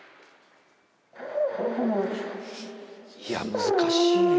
いや難しいよ。